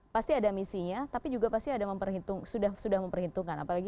pasti ada misinya tapi juga pasti ada memperhitung sudah memperhitungkan apalagi